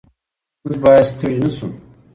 موږ باید ستړي نه شو.